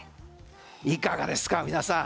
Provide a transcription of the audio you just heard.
いかがですか皆さん。